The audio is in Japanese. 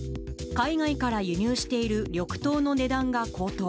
海外から輸入している緑豆の値段が高騰。